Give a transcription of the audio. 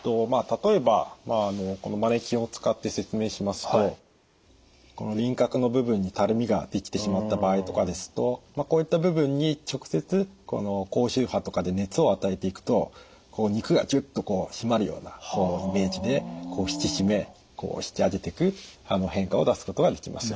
例えばこのマネキンを使って説明しますとこの輪郭の部分にたるみができてしまった場合とかですとこういった部分に直接高周波とかで熱を与えていくと肉がギュッと締まるようなイメージで引き締め引き上げていく変化を出すことができます。